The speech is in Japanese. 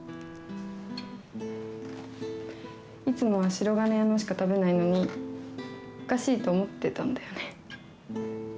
いつもはシロガネ屋のしか食べないのにおかしいと思ってたんだよね